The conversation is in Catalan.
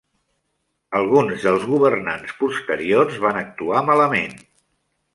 Alguns dels governants posteriors van actuar malament.